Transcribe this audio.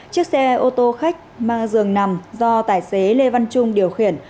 chiếc xe ô tô khách mang giường nằm do tài xế lê văn trung điều khiển